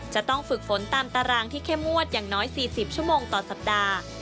จะต้องฝึกฝนตามตารางที่เข้มงวดอย่างน้อย๔๐ชั่วโมงต่อสัปดาห์